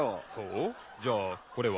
じゃあこれは？